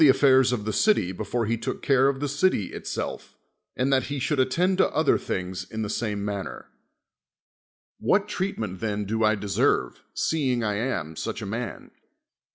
affairs of the city be fore he took care of the city itself, and that he should attend to other things in the same manner. What treatment then do 1 deserve, seeing I am such a man?